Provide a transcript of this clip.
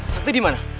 sakti di mana